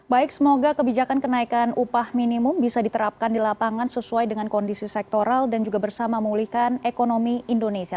baik semoga kebijakan kenaikan upah minimum bisa diterapkan di lapangan sesuai dengan kondisi sektoral dan juga bersama memulihkan ekonomi indonesia